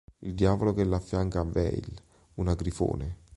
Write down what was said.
Il diavolo che l'affianca è Veil, una grifone.